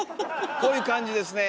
こういう感じですね。